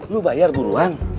lo bayar duluan